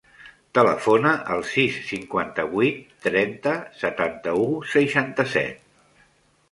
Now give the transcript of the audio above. Telefona al sis, cinquanta-vuit, trenta, setanta-u, seixanta-set.